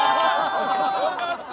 よかった！